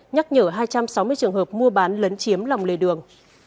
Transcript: nhắc nhở hai trăm sáu mươi trường hợp mua bán lấn chiếm lòng lề đường